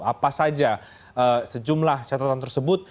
apa saja sejumlah catatan tersebut